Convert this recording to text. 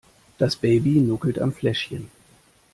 Das Baby nuckelt am Fläschchen.